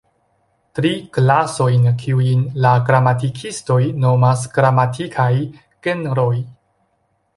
Tri klasojn, kiujn la gramatikistoj nomas gramatikaj genroj.